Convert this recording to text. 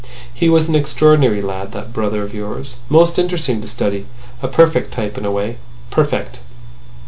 "He was an extraordinary lad, that brother of yours. Most interesting to study. A perfect type in a way. Perfect!"